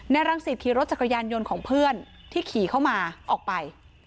รังสิตขี่รถจักรยานยนต์ของเพื่อนที่ขี่เข้ามาออกไป